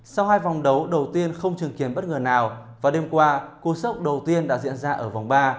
sau hai vòng đấu đầu tiên không chứng kiến bất ngờ nào và đêm qua cú sốc đầu tiên đã diễn ra ở vòng ba